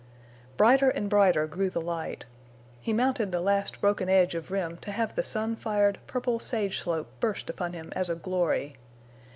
Brighter and brighter grew the light. He mounted the last broken edge of rim to have the sun fired, purple sage slope burst upon him as a glory.